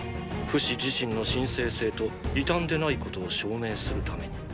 フシ自身の神聖性と異端でないことを証明するために。